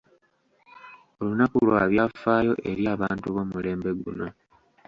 Olunaku lwa byafaayo eri abantu b'omulembe guno.